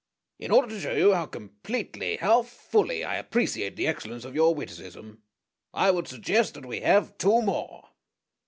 In order to show you how completely, how fully, I appreciate the excellence of your witticism I would suggest that we have two more."